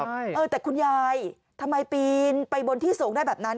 ใช่เออแต่คุณยายทำไมปีนไปบนที่สูงได้แบบนั้น